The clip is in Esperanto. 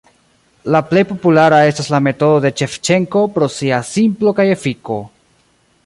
La plej populara estas la metodo de Ŝevĉenko pro sia simplo kaj efiko.